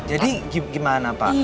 jadi gimana pak